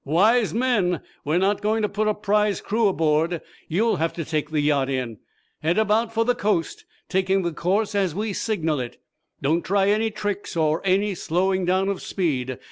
"Wise men! We're not going to put a prize crew aboard. You'll have to take the yacht in. Head about for the coast, taking the course as we signal it. Don't try any tricks, or any slowing down of speed.